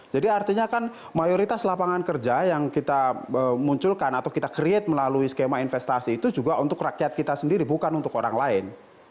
jadi artinya kan mayoritas lapangan kerja yang kita munculkan atau kita create melalui skema investasi itu juga untuk rakyat kita sendiri bukan untuk orang lain